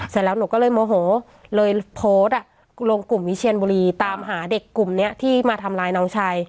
เสร็จแล้วหนูก็เลยโมโหเลยโพสต์ลงกลุ่มวิเชียนบุรีตามหาเด็กกลุ่มนี้ที่มาทำร้ายน้องชาย